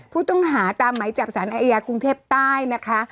ผู้ต้องหาตามไหมจับสารอาญากรุงเทพใต้นะคะ